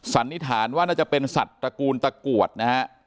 สันนิษฐานว่าน่าจะเป็นสัตว์ตระกูลตะกรวดนะฮะ